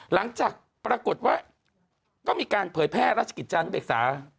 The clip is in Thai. หลังจากปรากฏว่าก็มีการเผยแพร่ราชกิจจานุเบกษา